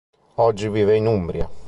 Oggi vive in Umbria.